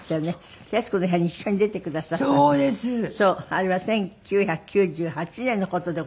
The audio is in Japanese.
あれは１９９８年の事でございます。